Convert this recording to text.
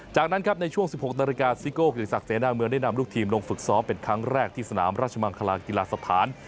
จากนั้นครับในช่วง๑๖นาฬิกาซิโก้เกียรติศักดิเสนาเมืองได้นำลูกทีมลงฝึกซ้อมเป็นครั้งแรกที่สนามราชมังคลากีฬาสถาน